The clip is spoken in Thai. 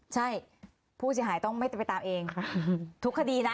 ใช่ผู้จะหายต้องไปตามเองถูกคดีนะ